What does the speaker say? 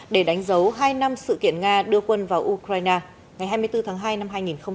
để đánh dấu hai năm sự kiện nga đưa quân vào ukraine ngày hai mươi bốn tháng hai năm hai nghìn hai mươi